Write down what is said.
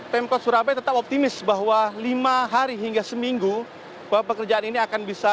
pemkot surabaya tetap optimis bahwa lima hari hingga seminggu pekerjaan ini akan bisa